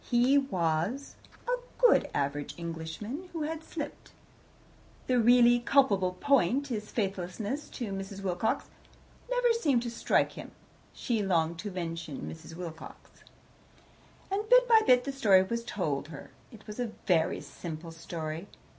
He was a good average Englishman, who had slipped. The really culpable point his faithlessness to Mrs. Wilcox never seemed to strike him. She longed to mention Mrs. Wilcox. And bit by bit the story was told her. It was a very simple story.